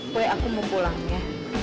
boy aku mau pulang ya